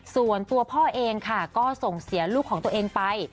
ส่วนตัวพ่อเองค่ะก็ส่งเสียลูกของตัวเองไป